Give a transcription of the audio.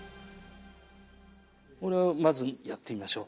これをまずやってみましょう。